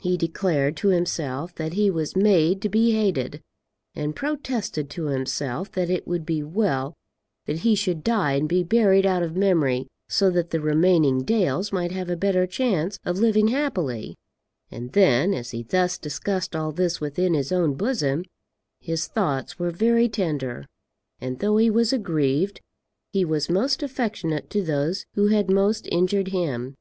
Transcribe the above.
He declared to himself that he was made to be hated, and protested to himself that it would be well that he should die and be buried out of memory, so that the remaining Dales might have a better chance of living happily; and then as he thus discussed all this within his own bosom, his thoughts were very tender, and though he was aggrieved, he was most affectionate to those who had most injured him.